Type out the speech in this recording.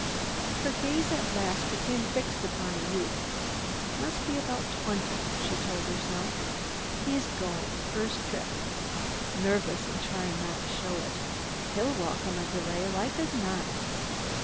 Her gaze at last became fixed upon a youth. "Must be about twenty," she told herself. "He's going. First trip. Nervous, and trying not to show it. He'll welcome a delay, like as not.